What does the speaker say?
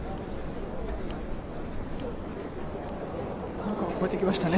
バンカーを越えてきましたね。